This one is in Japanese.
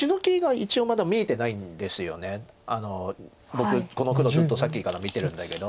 僕この黒ずっとさっきから見てるんだけど。